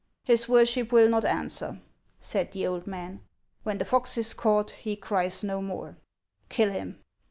" His worship will not answer," said the old man. 348 HANS OF ICELAND. "When the fox is caught, he cries no more. Kill him